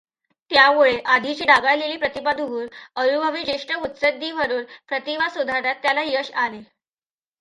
त्यामुळे आधीची डागाळलेली प्रतिमा धुवून अनुभवी, ज्येष्ठ मुत्सद्दी म्हणून प्रतिमा सुधारण्यात त्याला यश आले.